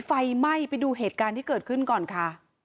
ไฟไหม้ไปดูเหตุการณ์ที่เกิดขึ้นก่อนค่ะ